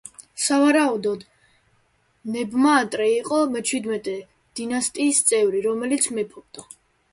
სავარაუდოდ ნებმაატრე იყო მეჩვიდმეტე დინასტიის წევრი, რომელიც მეფობდა.